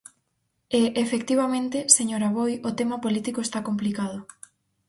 E, efectivamente, señor Aboi, o tema político está complicado.